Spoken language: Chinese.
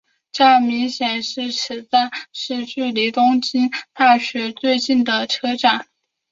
站名显示此站是距离东京大学最近的车站。